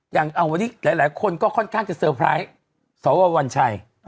อย่างวันนี้หลายคนก็ค่อนข้างจะเตอร์ไพรส์สววัญชัย